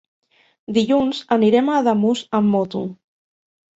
Dilluns anirem a Ademús amb moto.